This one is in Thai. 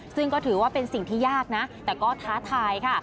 ซึ่งก็ถือว่าเป็นสิ่งที่ยากนะแต่ก็ท้าทายค่ะ